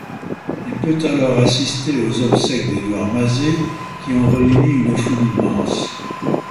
Il peut alors assister aux obsèques d'Édouard Mazé qui ont réuni une foule immense.